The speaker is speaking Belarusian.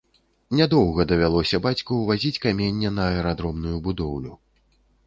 Нядоўга давялося бацьку вазіць каменне на аэрадромную будоўлю.